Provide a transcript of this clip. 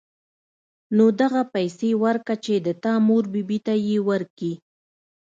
نو دغه پيسې وركه چې د تا مور بي بي ته يې وركي.